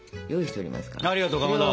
ありがとうかまど。